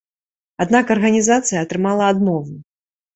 Аднак арганізацыя атрымала адмову.